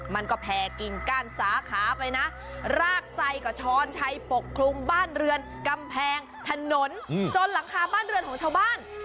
มันก็แผ่กิ่งก้านสาขาไปนะรากไส้กับช้อนชัยปกคลุมบ้านเรือนกำแพงถนนจนหลังคาบ้านเรือนของชาวบ้าน